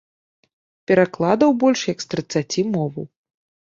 Перакладаў больш як з трыццаці моваў.